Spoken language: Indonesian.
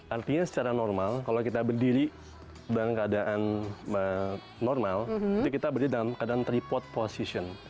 artinya secara normal kalau kita berdiri dalam keadaan normal itu kita berdiri dalam keadaan tripod position